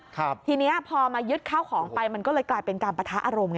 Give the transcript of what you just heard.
ทีเนี้ยพอมายึดข้าวของไปมันก็เลยกลายเป็นการปะทะอารมณ์ไง